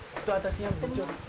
itu atasnya bu jo